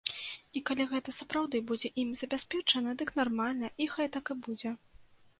І калі гэта сапраўды будзе ім забяспечана, дык нармальна, і хай так і будзе.